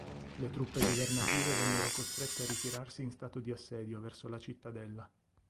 Le truppe governative vennero costrette a ritirarsi in stato di assedio verso la cittadella.